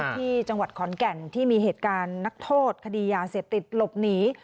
ที่จังหวัดขอนแก่นที่มีเหตุการณ์นักโทษคดียาเสพติดหลบหนี